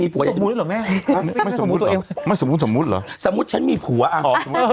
มีผัวอ่ะอ๋อสมมุติว่ามีผัวนะ